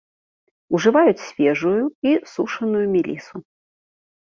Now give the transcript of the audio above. Ужываюць свежую і сушаную мелісу.